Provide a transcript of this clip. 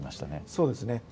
そうですね。